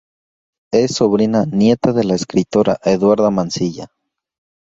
Es sobrina nieta de la escritora Eduarda Mansilla.